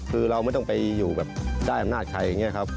คือเราไม่ต้องไปอยู่แบบได้อำนาจใครอย่างนี้ครับ